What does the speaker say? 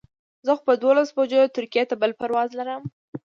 زه خو په دولس بجو ترکیې ته بل پرواز لرم.